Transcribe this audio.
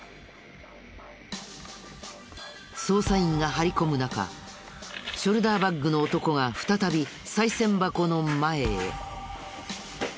捜査員が張り込む中ショルダーバッグの男が再びさい銭箱の前へ。